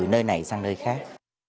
sẽ không phải chuyển sang nơi khác